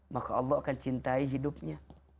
maka allah akan cintai hidupnya